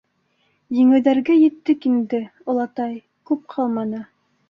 — Еңеүҙәргә еттек инде, олатай, күп ҡалманы.